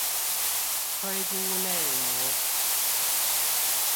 推估內容